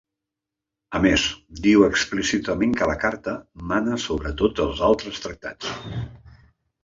A més, diu explícitament que la Carta mana sobre tots els altres tractats.